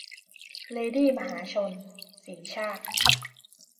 เลดี้มหาชน - สีชาติ